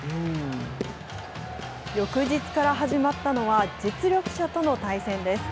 翌日から始まったのは、実力者との対戦です。